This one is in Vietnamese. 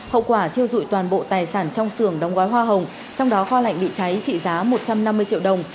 hậu quả thiêu dụi toàn bộ tài sản trong xưởng đóng gói hoa hồng trong đó kho lạnh bị cháy trị giá một trăm năm mươi triệu đồng